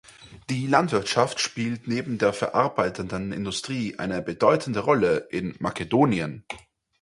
Die Landwirtschaft spielt neben der verarbeitenden Industrie eine bedeutende Rolle in Makedonien.